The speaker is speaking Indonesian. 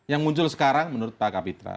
yang muncul sekarang menurut pak kapitra